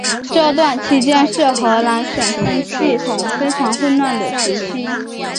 这段期间是荷兰省分系统非常混乱的时期。